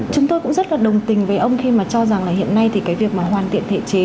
chúng tôi cũng rất là đồng tình với ông khi mà cho rằng là hiện nay thì cái việc mà hoàn thiện thể chế